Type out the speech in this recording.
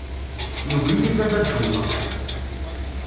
Yugi-iyi baba ad cummeɣ.